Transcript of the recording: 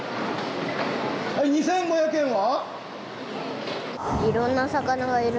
２５００円は。